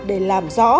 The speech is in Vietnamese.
để làm rõ